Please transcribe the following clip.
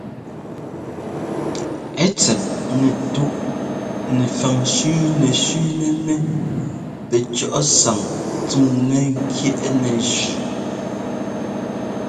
Ɛ tsɛt nɛtúꞌ nɛfaŋ shʉ́nɛshʉ́nɛnɛ́ pɛcɔ́ꞌ sáŋ tsúŋnɛ́ ŋ́kyɛ́ꞌnɛ zʉꞌ.